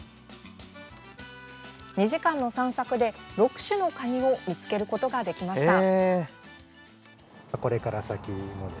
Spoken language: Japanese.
２時間の散策で、６種のカニを見つけることができました。